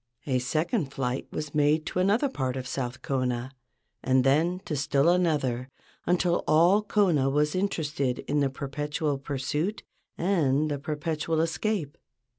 A second flight was made to another part of South Kona, and then to still another, until all Kona was inter¬ ested in the perpetual pursuit and the perpetual escape.